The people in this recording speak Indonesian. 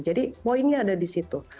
jadi poinnya ada di situ